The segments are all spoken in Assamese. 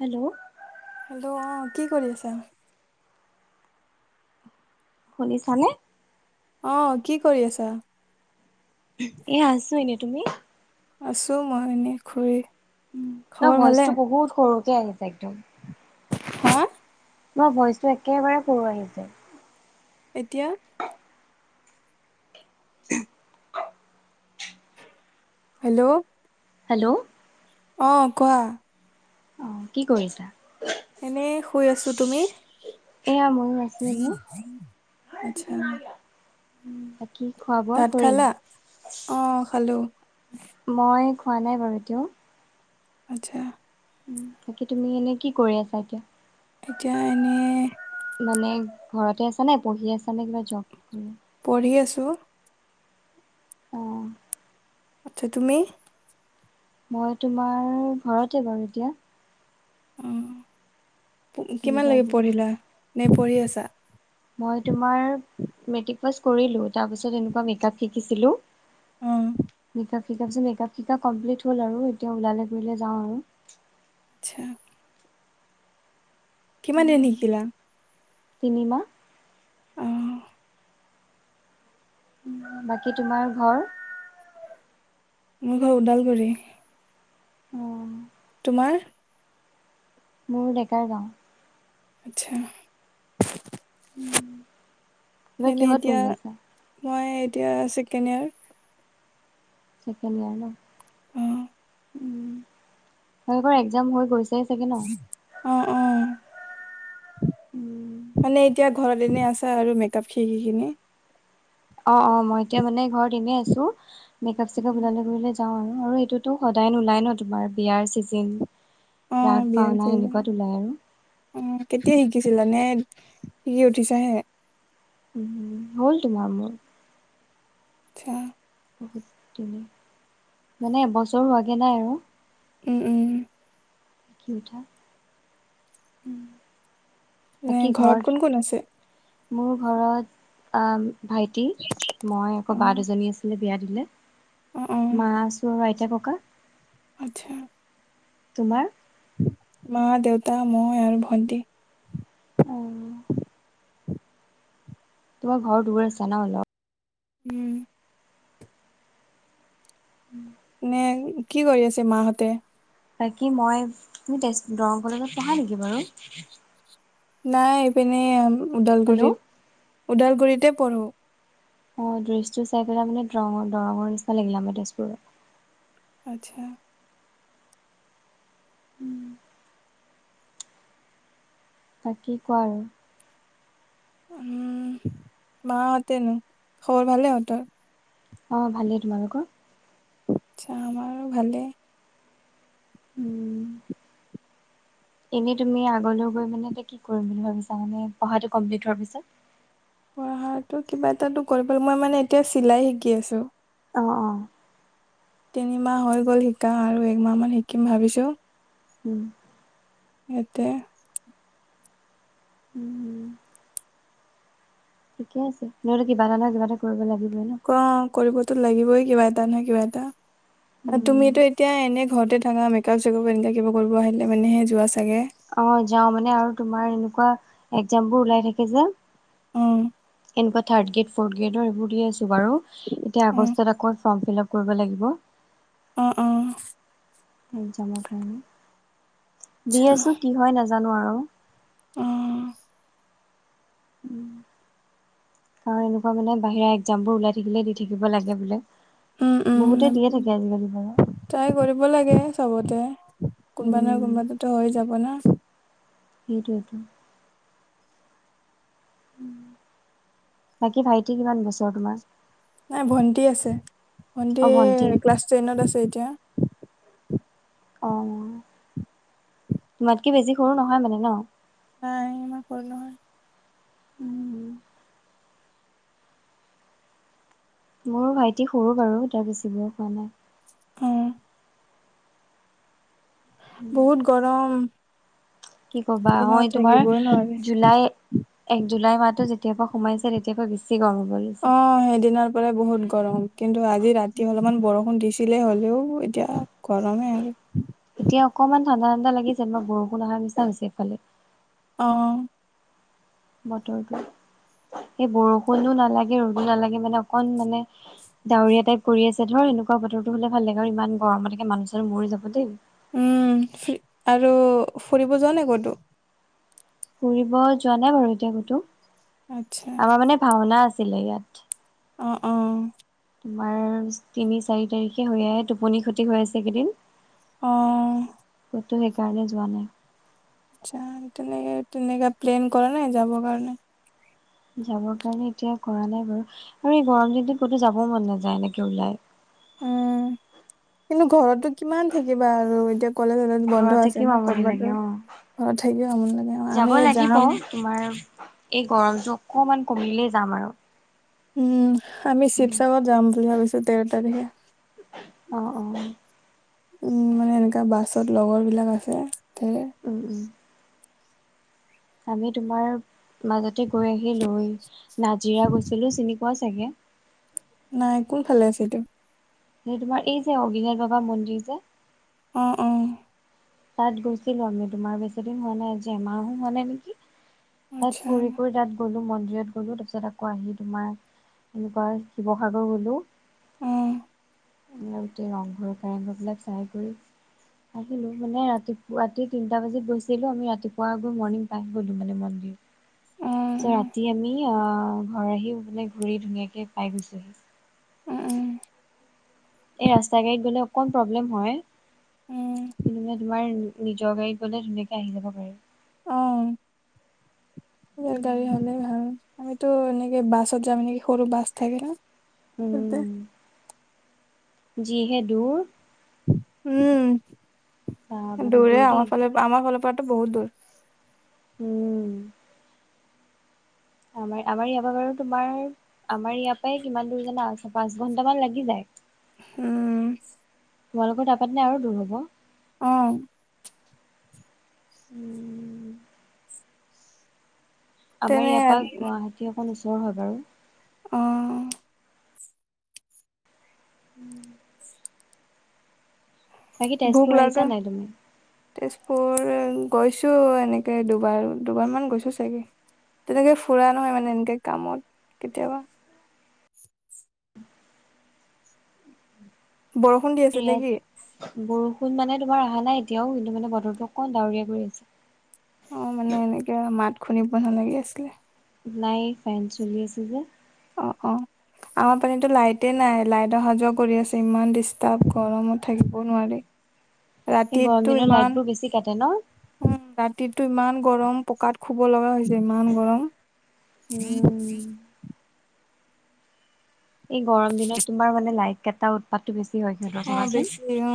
হেল্ল হেল্ল' অঁ কি কৰি আছা? শুনিছা নে? অ কি কৰি আছা? এ আছো এনে। তুমি? আছো মই এনেই শুই। ন ভইচটো বহুত সৰুকে আহিছে একদম। হা! তোমাৰ ভইচটো একেবাৰে সৰু আহিছে? এতিয়া? Hello hello! অ কোৱা। অ কি কৰিছা? এনেই শুই আছো, তুমি? এয়া ময়ো আছোঁ এনে। আচ্ছা কি খোৱা-বোৱা ভাত কৰিলা? খালা অ খালো মই খোৱা নাই বাৰু এতিয়াও। আচ্ছা। বাকী তুমি এনে কি কৰি আছা এতিয়া? এতিয়া এনে। মানে ঘৰতে আছা নে পঢ়ি আছা নে কিবা জব কৰি। পঢ়ি আছোঁ। অ আচ্ছা তুমি? মই তোমাৰ ঘৰতে বাৰু এতিয়া। অ, প কিমান তেনেকুৱা লাগে একো কৰা পঢ়িলা নাই নে পঢ়ি আছা? মই তোমাৰ মেট্ৰিক পাছ কৰিলো তাৰপাছত এনেকোৱা মেকআপ শিকিছিলো। অ মিকআপ শিকাৰ পিছত মিকআপ শিকা কমপ্লিট হল আৰু এতিয়া ওলালে কৰিলে যাওঁ আৰু। আচ্ছা। কিমান দিন শিকিলা? তিনিমাহ। অহ। বাকী তোমাৰ ঘৰ? মোৰ ঘৰ ওদালগুৰি। অ। তোমাৰ? মোৰ ডেকাৰ গাঁও। আচ্ছা, এইবাৰ এনেই কিহত এতিয়া পঢ়ি আছা? মই এতিয়া ছেকেণ্ড ইয়েৰ। ছেকেণ্ড ইয়াৰ ন। অহ। তোমালোকৰ একজাম হৈ গৈছে। অ অ। উম। মানে এতিয়া ঘৰত এনে আছা আৰু মেকাপ শিকি কিনি। অ অ মই এতিয়া মানে ঘৰত এনে আছো মেকাপ চেকাপ ওলালে কৰিলে যাওঁ আৰু এইটোতো সদায় নোলাই ন তোমাৰ বিয়াৰ চিজেন অ ৰাস বিয়াৰ ভাওনা চিজন এনেকুৱাত ওলাই আৰু। অ কেতিয়া শিকিছিলা নে শিকি উঠিছাহে? উম হ'ল তোমাৰ মোৰ। আচ্ছা। [unintelligible] মানে, এবছৰ হোৱাগে নাই আৰু। উম! উম! কি উঠা? এ বাকী কোন কোন আছে ঘৰত? মোৰ ঘৰত আঁ ভাইটি, মই, অ আকৌ বা দুজনী আছিলে, বিয়া দিলে। অ অ মা আছো আৰু আইতা, ককা। আচ্ছা। তোমাৰ? মা, দেউতা, মই আৰু ভন্টি। অহ। তোমাৰ ঘৰ দূৰ আছে, ন' অলপ? উম! নে, কি কৰি আছে, মাহঁতে? বাকী, মই, তুমি তেজ, দৰং কলেজত পঢ়া নেকি বাৰু? নাই, এইপিনে ওদালগুড়িত, হেল্ল' ওদালগুড়িতে পঢ়োঁ। অ'! দৃশ্যটো চাই পেলাই মানে, দৰঙৰ- দৰঙৰ নিচিনা লাগিলে। আমাৰ তেজপুৰত আচ্ছা! বাকী, কোৱা আৰু? উম! মাহঁতেনো, খবৰ ভালে ইহঁতৰ। অ'! ভালেই, তোমালোকৰ? আচ্ছা! আমাৰো ভালেই। উম! এনেই তুমি, আগলৈ গৈ মানে, কিটোত, কি কৰিম বুলি ভাবিছা? মানে, পঢ়াটো কমপ্লিট হোৱাৰ পিছত। পঢ়াটো, কিবা এটাটো কৰিবলে, মই মানে, এতিয়া চিলাই শিকি আছোঁ। অ' অ'! তিনিমাহ হৈ গ'ল শিকা আৰু এক মাহ মান শিকিম ভাবিছোঁ! উম! এতিয়া? উম ঠিকে আছে। নহ'লে, কিবা এটা নহয়, কিবা এটা কৰিব লাগিবই ন'। অ'! কৰিবতো লাগিবই, কিবা এটা নহয়, কিবা এটা। আৰু উম তুমিতো, এতিয়া এনে ঘৰতে থাকা? মেকআপ-চেকাপ এনেক কিবা কৰিব আহিলে, মানেহে যোৱা চাগে? অ'! যাওঁ। মানে, আৰু তোমাৰ এনেকুৱা, একজাম বোৰ ওলাই থাকে যে। উম! এনেকুৱা, থাৰ্ড গ্ৰেড, ফৰ্থ গ্ৰেডৰ, এইবোৰ দি আছোঁ বাৰু। এতিয়া, অ আগষ্টত আকৌ, ফৰ্ম- ফিলাপ কৰিব লাগিব। অ' অ'! একজামৰ কাৰণে, দি আছোঁ, কি হয় নাজানোঁ আৰু। উম! কাৰণ, এনেকুৱা মানে, বাহিৰা একজাম বোৰ ওলাই থাকিলে, দি থাকিব লাগে বোলে, উম বহুতে উম দিয়ে থাকে, আজিকালি বাৰু। ট্ৰাই কৰিব লাগে চবতে। কোনোবা নহয়, উম কোনোবাটোতো হৈ যাব না। ভিডিঅ'টো। বাকী, ভাইটি কিমান বছৰ তোমাৰ? নাই, ভণ্টি আছে। ভন্টি ক্লাছ টেনত আছে, এতিয়া। অ'! তোমাতকৈ বেছি সৰু নহয়, মানে ন'? নাই, ইমান সৰু নহয়। উম! মোৰ ভাইটি সৰু বাৰু। তাৰ বেছি বয়স হোৱা নাই। উম! বহুত গৰম! কি ক'বা! দিনত মই তোমাৰ থাকিবই নোৱাৰি জুলাই এক জুলাই মাহটো, যেতিয়াৰ পৰা সোমাইছে। তেতিয়াপা, বেছি গৰম হ'ল। অ'! সেইদিনাৰ পৰাই বহুত গৰম! কিন্তু, আজি ৰাতি অলপমান বৰষুণ দিছে। দিলে হ'লেও এতিয়া গৰমে আৰু। এতিয়া অকমান ঠাণ্ডা ঠাণ্ডা লাগিছে বা বৰষুণ আহা নিচিনা হৈছে ইফালে। অ। বতৰটো, এই বৰষুণো নালাগে, ৰ'দো নালাগে মানে, অকল মানে, ডাৱৰীয়া টাইপ কৰি আছে, ধৰ এনেকুৱা, বতৰটো হ'লে ভাল লাগে। আৰু ইমান গৰমত মানুহ-চানুহ মৰি যাব দেই। উম! [unintelligible] আৰু ফুৰিব যোৱা নাই ক'তো? ফুৰিব যোৱা নাই বাৰু এতিয়া কতো আচ্ছা আমাৰ মানে ভাওনা আছিলে ইয়াত। অ অ। তোমাৰ তিনি চাৰি তাৰিখে হৈ আহ আহে টোপনি খতি হৈ আছে এইকেদিন। অ। ত সেইকাৰণে যোৱা নাই। আত্চ্ছা তেনেকে তেনেকে প্লেন কৰা নাই যাবৰ কাৰণে। যাবৰ কাৰণে এতিয়া কৰা নাই বাৰু আৰু এই গৰম দিনটোত ক'তো যাব মন নাযায় এনেকে ওলাই। উম কিন্তু ঘৰটো কিমান থাকিবা আৰু এতিয়া কলেজলোত ঘৰত বন্ধ আছে থাকিও না আমনি ক'তবা লাগে যাম, অ ঘৰত থাকিও আমনি লাগে আও যাব আমি লাগিব যাম। তোমাৰ এই গৰমটো অকণমান কমিলেই যাম আৰু। উম আমি শিৱসাগৰত যাম বুলি ভাবিছো তেৰ তাৰিখে। অ অ। উম মানে এনেকা বাছত লগৰ বিলাক আছে, থাকে। ওম ওম। আমি তোমাৰ মাজতে গৈ আহি লৈ নাজিৰা গৈছিলো চিনি পোৱা চাগে। নাই কোনফালে আছে এইটো। তোমাৰ এই যে অগ্নিনাথ বাবা মন্দিৰ যে অ অ। তাত গৈছিলো আমি তোমাৰ বেছিদিন হোৱা নাই আজি এমাহো হোৱা নাই নেকি? তাত আচ্ছা ফুৰি কৰি তাত গ'লো মন্দিৰত গ'লো তাৰপিছত আকৌ আহি তোমাৰ এনেকুৱা শিৱসাগৰ গ'লোঁ। উহ। গোটেই ৰংঘৰ কাৰেংঘৰ বিলাক চাই কৰি আহিলো মানে ৰাতিপুৱ ৰাতি তিনিটা বজাত গৈছিলো আমি ৰাতিপুৱা গৈ মৰ্ণিং পাই গলো মানে মন্দিৰ। [unintelligible] ছে ৰাতি আমি অ ঘৰ আহি বোনে ঘূৰি ধুনীয়াকে পাই গৈছো হি। উম, [inaudible] এই ৰাস্তা গাড়ীত গ'লে অকণ প্ৰব্লেম হয় উম কিন্তু মানে তোমাৰ নিজৰ গাড়ী গ'লে ধুনীয়াকে আহি যাব পাৰি। অ', নিজৰ গাড়ী হলে ভাল। আমিতো এনেকে বাছত যাম নেকি, সৰু বাছ থাকে না। উম যিহে দূৰ। বা উম বহুত দূৰে দূৰ দেই আমাৰ ফালৰ আমাৰ ফালৰ পৰাতো বহুত দূৰ। উম। আমাৰ আমাৰ ইয়াৰ পা বাৰু তোমাৰ আমাৰ ইয়াৰ পৰাই কিমান দূৰ জানা পাঁচ ঘণ্টামান লাগি যায়। উম। তোমালোকৰ তা পা তেনে আৰু দূৰ হ'ব? অ। উম। আমাৰ তেনে ইয়াৰ পা গুৱাহাটী অকণমান ওচৰ হয় বাৰু। অহ। উম। ভোক তেজপুৰ আহিছা লাগে। নাই তুমি তেজপুৰ গৈছোঁ এনেকে, দুবাৰ দুবাৰমান গৈছোঁ চাগে! তেনেকৈ ফুৰা নহয় মানে এনেকে কামত কেতিয়াবা বৰষুণ দি আছে ইয়াত নেকি? বৰষুণ মানে তোমাৰ অহা নাই এতিয়াও, কিন্তু মানে বতৰটো অকণমান ডাৱৰীয়া কৰি আছে। অ মানে এনেকে মাত খুন্দিব নলগীয়া আছিলে। নাই ফেন চলি আছে যে। অ অ। আমাৰ পিনেতো লাইটে নাই লাইট অহা যোৱা কৰি আছে ইমান ডিষ্টাৰ্ব গৰমত থাকিব নোৱাৰি। সেই গৰম ৰাতিটো দিনত ইমান লাইটবোৰ বেছি কাটে ন? উম, ৰাতিটো ইমান গৰম পকাত শুব লগা হৈছে। ইমান গৰম। উম এই গৰম দিনত তোমাৰ মানে লাইট কেইটা উৎপাতটো বেছি হয়। সিহঁতৰ অ' চাবাচোন বেছি অ।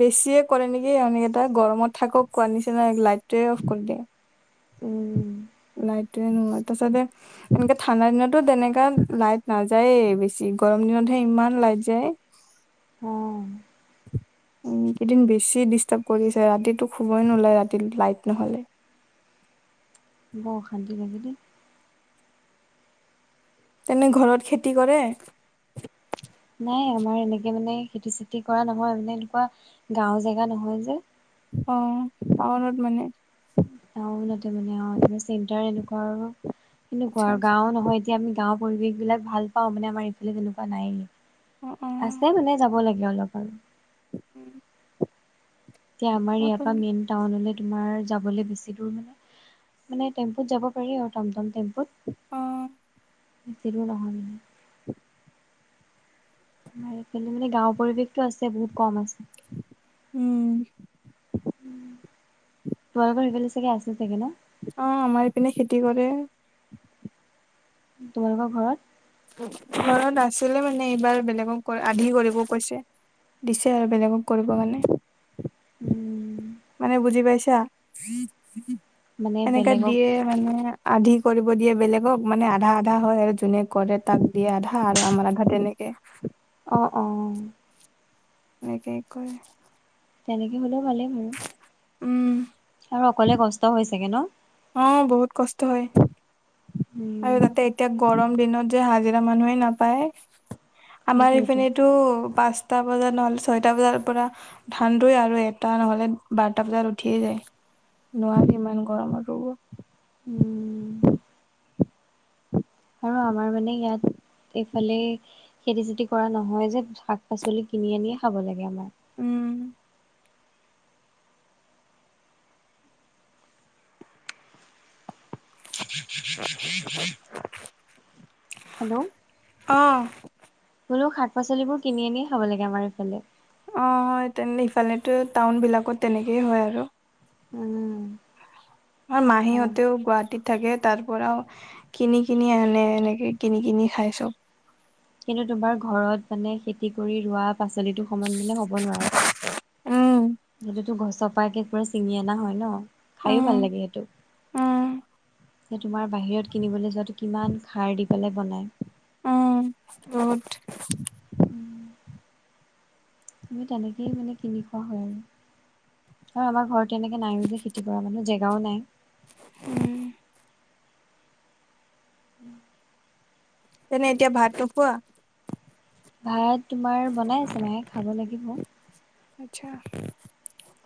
বেছিয়ে কৰে নেকি ইহঁতি কেইটা, গৰমত থাকক কোৱাৰ নিচিনাই লাইটোৱে অফ কৰি দিয়ে। উম লাইটোৱে এনেকুৱা, তাপিছতে এনেকে ঠাণ্ডা দিনতো তেনকা লাইট নাযায়েই বেছি, গৰম দিনতহে ইমান লাইট যায়। অঁ এইকেইদিন বেছিয়ে ডিষ্টাৰ্ব কৰিছে, ৰাতিটো শুৱই নোলাই ৰাতি লাইট নহ'লে। বৰ অশান্তি লাগে দেই। তেনে ঘৰত খেতি কৰে? নাই আমাৰ এনেকে মানে খেতি চেতি কৰা নহয় মানে, এনেকুৱা গাঁৱৰ জেগা নহয় যে। অ, টাউনত মানে? টাউনতে মানে আও, চেণ্টাৰ এনেকুৱা আৰু আচ্ছা এনেকুৱা আৰু আচ্ছা গাঁৱৰ নহয় এতিয়া আমি গাঁৱৰ পৰিৱেশবিলাক ভাল পাওঁ মানে, আমাৰ ইফালে তেনেকুৱা নাইয়ে। অ' অ'। আছে মানে যাব লাগে অলপমান। উম। এতিয়া আমাৰ ইয়াৰ পৰা মেইন টাউনলৈ তোমাৰ যাবলৈ বেছি দূৰ মানে, মানে টেম্পুত যাব পাৰি আৰু টমটম টেম্প অহ বেছিদূৰ নহয় মানে। মানে গাঁৱৰ পৰিৱেশটোও আছে, বহুত কম আছে। উম তোমালোকৰ সেইফালে চাগে, আছে চাগে ন? অ' আমাৰ ইপিনে খেতি কৰে। তোমালোকৰ ঘৰত? ঘৰত আছিলে মানে এইবাৰ, বেলেগক আধি কৰিব কৈছে। দিছে আৰু বেলেগক কৰিবৰ কাৰণে। উম। মানে বুজি পাইছা? মানে এনেকে বেলেগক দিয়ে মানে আধি কৰিব দিয়ে বেলেগক, মানে আধা আধা হয় আৰু যোনে কৰে তাক দিয়া আধা আৰু আমাৰ আধা তেনেকে। অ অ। হেনেকে কৰে। তেনেকৈ হ'লেও ভালেই বাৰু, উম আৰু অকলে কষ্ট হয় চাগে ন? অ বহুত কষ্ট হয়, উম আৰু তাতে এতিয়া গৰম দিনত যে হাজিৰা মানুহে নাপায়। আমাৰ সেইটোৱেতো। এইপিনেটো পাঁচ টা বজাত নহ'লে ছয়টা বজাৰ পৰা ধান দুই আৰু এটা নহলে বাৰটা বজাত উঠিয়ে যায়, নোৱাৰি ইমান গৰমত। [unintelligible] উম। [inaudible] আৰু আমাৰ মানে ইয়াত এইফালে খেতি চেতি কৰা নহয় যে, শাক-পাচলি কিনি আনিয়ে খাব লাগে আমাৰ। উম। [unintelligible] হেল্ল'। অ। বোলো শাক-পাচলিবোৰ কিনি আনি খাব লাগে আমাৰ ইফালে। অ তেন্তে ইফালেটো টাউনবিলাকত তেনেকেই হয় আৰু। উম। মাহীহঁতেও গুৱাহাটীত থাকে, তাৰ পৰাও কিনি কিনি আনে এনেকে। কিনি কিনি খাই চব। কিন্তু তোমাৰ ঘৰত মানে খেতি কৰি ৰোৱা পাচলিটো সমান মানে হ'ব নোৱাৰে। উম সেইটোতো গছৰ পা একে পুৰা ছিঙি আনা হয় ন? খাইও ভাল উম লাগে সেইটো। উম সে তোমাৰ বাহিৰত কিনিবলে যোৱাটো কিমান খাৰ দি পেলাই বনায়। অ, বহুত। উম। তুমি তেনেকেই মানে কিনি খোৱা হয় আৰু। আৰু আমাৰ ঘৰত এনেকে নাইও যে খেতি কৰা মানুহ, জেগাও নাই। উম। [inaudible] তেনে এতিয়া ভাত নোখোৱা? ভাত তোমাৰ বনাই আছে মায়ে, খাব লাগিব। আটছা।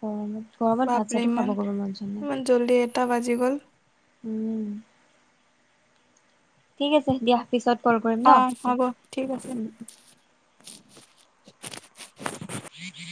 গৰমত গৰমত ভাত-চাতো খাব বব মন যোৱা নাই। ইমান জল্দি এটা বাজি গ'ল। উম। ঠিক আছে দিয়া পিছত কল কৰিম অ ন। হ'ব ঠিক আছে। উম। [inaudible]